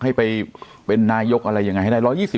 ให้ไปเป็นนายกอะไรอย่างไรให้ได้